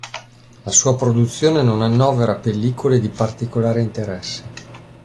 La sua produzione non annovera pellicole di particolare interesse.